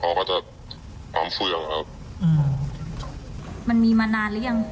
เขาก็จะปั๊มเฟืองครับอืมมันมีมานานแล้วยัง